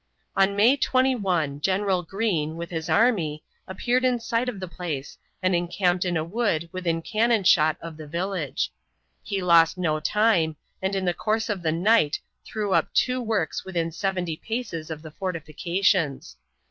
On May 21 General Greene, with his army, appeared in sight of the place and encamped in a wood within cannon shot of the village. He lost no time, and in the course of the night threw up two works within seventy paces of the fortifications.